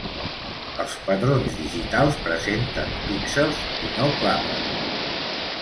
Els patrons digitals presenten píxels, i no clapes.